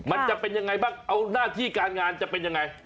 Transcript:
มันจะเป็นยังไงบ้างเอาหน้าที่การงานจะเป็นยังไง